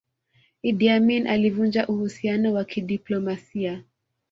idi amini alivunja uhusiano wa kidiplomasia